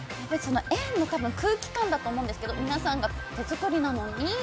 園の空気感だと思うんですけど皆さんが手作りなのに。